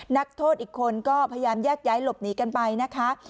นักโทษอีกคนก็พยายามแยกย้ายหลบหนีกันไปนะคะ